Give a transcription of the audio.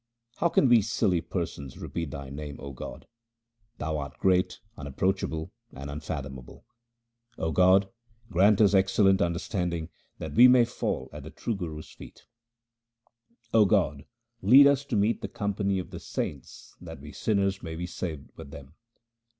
How can we silly persons repeat Thy name, O God ? Thou art great, unapproachable, and unfathomable. O God, grant us excellent understanding that we may fall at the true Guru's feet ! O God, lead us to meet the company of the saints that we sinners may be saved with them